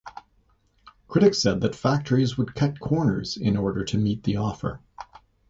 Critics said that factories would cut corners in order to meet the offer.